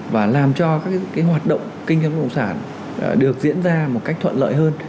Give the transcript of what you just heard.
và làm cho các hoạt động kinh doanh bất động sản được diễn ra một cách thuận lợi hơn